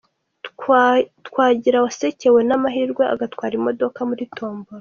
Twagira wasekewe n'amahirwe agatwara imodoka kuri Tombola.